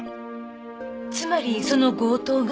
つまりその強盗が？